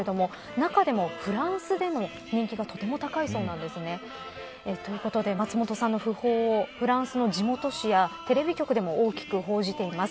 世界中でも非常に人気が高い松本零士さんなんですけれども中でもフランスでの人気がとても高いそうなんです。ということで松本さんの訃報をフランスの地元紙やテレビ局でも大きく報じています。